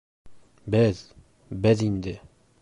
— Беҙ — беҙ инде.